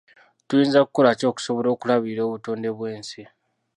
Tuyinza kukola ki okusobola okulabirira obutonde bw'ensi?